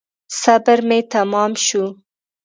صبر مي تمام شو .